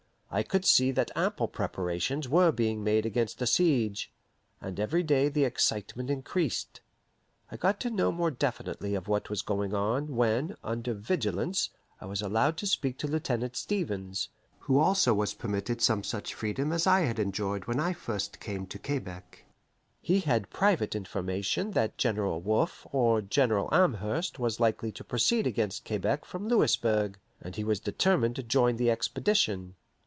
I could see that ample preparations were being made against a siege, and every day the excitement increased. I got to know more definitely of what was going on, when, under vigilance, I was allowed to speak to Lieutenant Stevens, who also was permitted some such freedom as I had enjoyed when I first came to Quebec. He had private information that General Wolfe or General Amherst was likely to proceed against Quebec from Louisburg, and he was determined to join the expedition.